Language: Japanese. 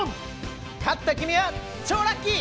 勝った君は超ラッキー！